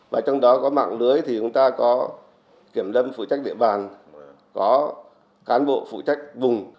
và trong đó có mạng lưới thì chúng ta có kiểm lâm phụ trách địa bàn có cán bộ phụ trách vùng